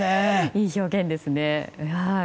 いい表現ですね。